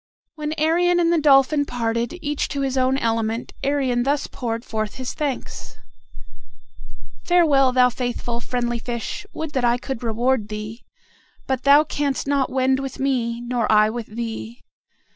When Arion and the dolphin parted, each to his own element, Arion thus poured forth his thanks: "Farewell, thou faithful, friendly fish! Would that I could reward thee; but thou canst not wend with me, nor I with thee.